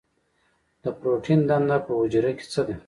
د پروټین دنده په حجره کې څه ده؟